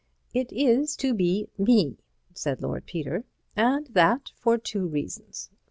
"It is to be me," said Lord Peter, "and that for two reasons.